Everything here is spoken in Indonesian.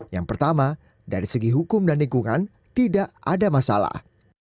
yang pertama dari segi hukum dan lingkungan tidak ada masalah